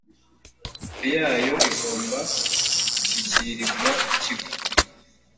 kopi yayo igomba gushyikirizwa Ikigo